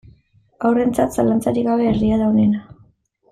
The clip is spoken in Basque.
Haurrentzat, zalantzarik gabe, herria da onena.